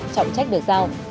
trọng trách được giao